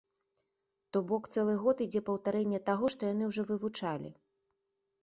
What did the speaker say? То бок цэлы год ідзе паўтарэнне таго, што яны ўжо вывучалі.